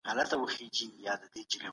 زه د شنو سابو په مینځلو بوخت یم.